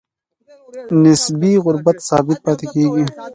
نسبي غربت ثابت پاتې کیږي.